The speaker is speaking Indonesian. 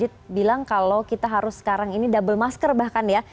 saya juga bilang kalau kita harus sekarang ini double mask er bahkan ya